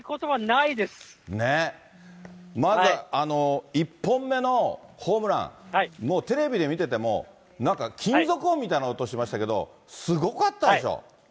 まず、１本目のホームラン、もうテレビで見てても、なんか金属音みたいな音しましたけど、すごかったでしょ？